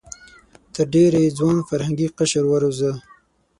تر ډېره یې ځوان فرهنګي قشر وروزه.